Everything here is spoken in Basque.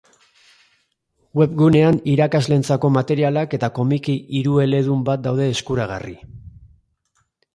Webgunean irakasleentzako materialak eta komiki hirueledun bat daude eskuragarri.